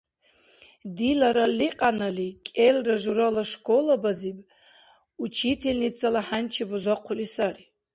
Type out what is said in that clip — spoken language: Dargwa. Дила ралликьянали кӀелра журала школабазиб учителницала хӀянчи бузахъули сари.